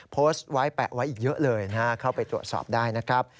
โพสต์ไว้แปะไว้อีกเยอะเลยนะฮะเข้าไปตรวจสอบได้นะครับ